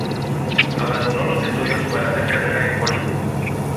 Abandonó los estudios para hacer carrera en Hollywood.